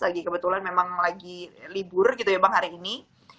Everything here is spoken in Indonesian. lagi kebetulan memang lagi libur gitu ya bang hari ini